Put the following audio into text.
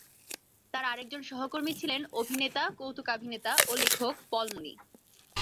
তার আরেকজন সহকর্মী ছিলেন অভিনেতা, কৌতুকাভিনেতা ও লেখক পল মুনি।